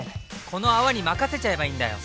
この泡に任せちゃえばいいんだよ！